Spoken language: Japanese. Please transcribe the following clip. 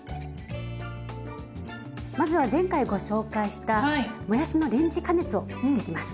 まずは前回ご紹介したもやしのレンジ加熱をしていきます。